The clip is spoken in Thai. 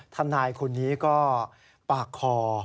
ทนายคนนี้ก็ปากคอ